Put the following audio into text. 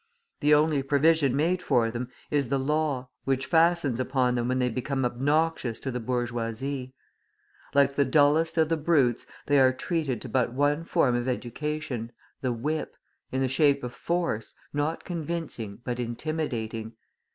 The only provision made for them is the law, which fastens upon them when they become obnoxious to the bourgeoisie. Like the dullest of the brutes, they are treated to but one form of education, the whip, in the shape of force, not convincing but intimidating.